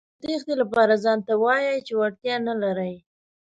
د تېښتې لپاره ځانته وايئ چې وړتیا نه لرئ.